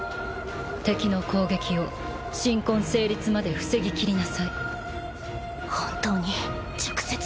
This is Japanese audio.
敵の攻撃を神婚成立まで防ぎきりなさい。